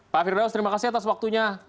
pak firdaus terima kasih atas waktunya